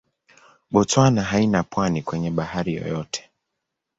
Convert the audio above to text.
Botswana haina pwani kwenye bahari yoyote.